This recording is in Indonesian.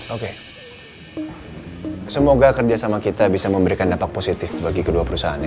oke semoga kerjasama kita bisa memberikan dampak positif bagi kedua perusahaan